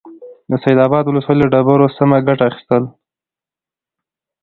د سيدآباد ولسوالۍ له ډبرو سمه گټه اخيستل: